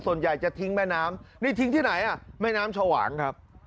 ส่วนใหญ่จะทิ้งแม่น้ำนี่ทิ้งที่ไหนอ่ะแม่น้ำชวางครับ